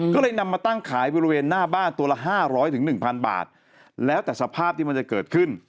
ก็เลยนำมาตั้งขายบริเวณหน้าบ้านตัวละ๕๐๐๑๐๐บาทแล้วแต่สภาพที่มันจะเกิดขึ้น